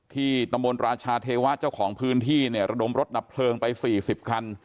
ตำบลราชาเทวะเจ้าของพื้นที่เนี่ยระดมรถดับเพลิงไป๔๐คัน